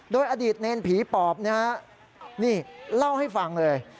โดยอดีตเนรผีปอบนะฮะนี่เล่าให้ฟังเลย